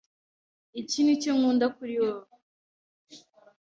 Iki nicyo nkunda kuri wewe.